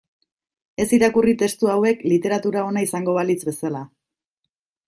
Ez irakurri testu hauek literatura ona izango balitz bezala.